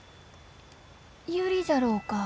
ユリじゃろうか？